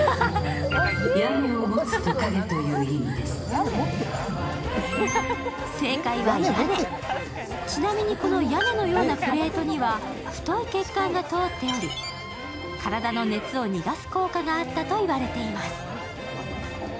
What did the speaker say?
正解は正解は屋根、ちなみにこの屋根のようなプレートには太い血管が通っており、体の熱を逃がす効果があったと言われています。